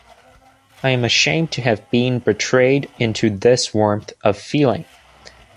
I am ashamed to have been betrayed into this warmth of feeling.